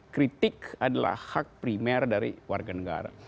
kritik adalah hak primer dari warga negara